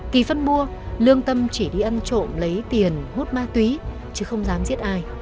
kỳ phân mua lương tâm chỉ đi ăn trộm lấy tiền hút ma túy chứ không dám giết ai